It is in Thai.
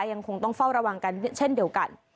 ยังคงต้องเฝ้าระวังกันเช่นเดียวกัน